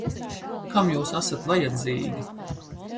Kam jūs esat vajadzīgi?